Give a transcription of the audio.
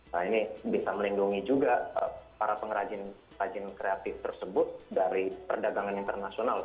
nah ini bisa melindungi juga para pengrajin kreatif tersebut dari perdagangan internasional